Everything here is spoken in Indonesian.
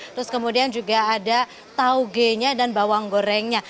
terus kemudian juga ada tauge nya dan bawang gorengnya